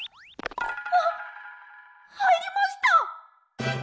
あっはいりました！